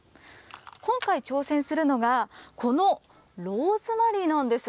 今回、挑戦するのが、このローズマリーなんです。